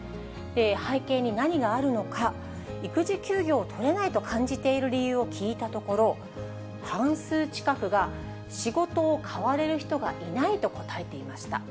背景に何があるのか、育児休業を取れないと感じている理由を聞いたところ、半数近くが仕事を代われる人がいないと答えていました。